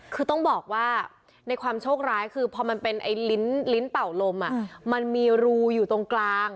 คือต้องบอกว่าในความโชคร้ายคือพอมันเป็นลิ้นเป่าลมมันมีรูอยู่ตรงกลาง